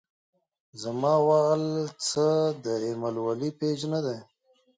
زما وال څۀ د اېمل ولي پېج نۀ دے